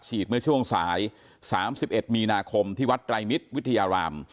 ฉีดเมื่อช่วงสายสามสิบเอ็ดมีนาคมที่วัดไตรมิดวิทยาราม